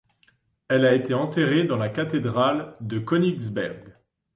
Elle a été enterré dans la Cathédrale de Königsberg.